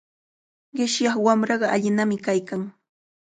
Qishyaq wamraqa allinami kaykan.